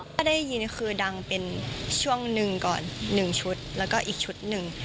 ถ้าได้ยินคือดังเป็นช่วงหนึ่งก่อน๑ชุดแล้วก็อีกชุดหนึ่ง